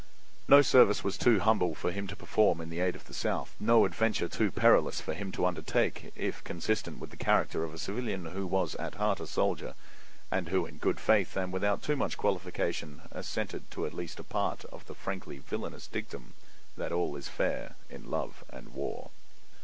No service was too humble for him to perform in the aid of the South, no adventure too perilous for him to undertake if consistent with the character of a civilian who was at heart a soldier, and who in good faith and without too much qualification assented to at least a part of the frankly villainous dictum that all is fair in love and war.